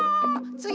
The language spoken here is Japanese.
つぎ。